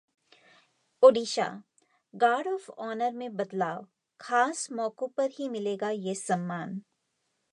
Odisha: 'guard of honour' में बदलाव, खास मौकों पर ही मिलेगा ये सम्मान